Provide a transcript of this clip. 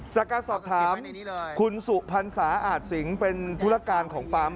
จากการสอบถามคุณสุพรรษาอาจสิงเป็นธุรการของปั๊ม